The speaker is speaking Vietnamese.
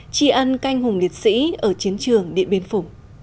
tri ân canh hùng liệt sĩ ở chiến trường điện biên phủ